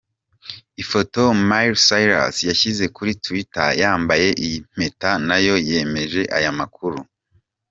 Ifoto Miley Cyrus yashyize kuri Twitter yambaye iyi mpeta nayo yemeje aya makuru.